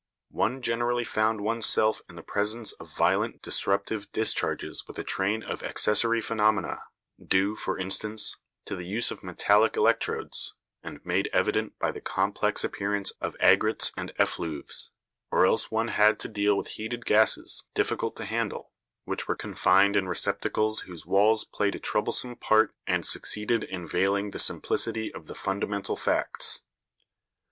One generally found one's self in the presence of violent disruptive discharges with a train of accessory phenomena, due, for instance, to the use of metallic electrodes, and made evident by the complex appearance of aigrettes and effluves; or else one had to deal with heated gases difficult to handle, which were confined in receptacles whose walls played a troublesome part and succeeded in veiling the simplicity of the fundamental facts.